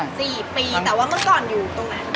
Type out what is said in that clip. ๔ปีแต่ว่าเมื่อก่อนอยู่ตรงไหน